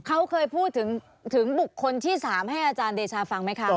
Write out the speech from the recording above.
เขาเคยพูดถึงบุคคลที่๓ให้อาจารย์เดชาฟังไหมคะ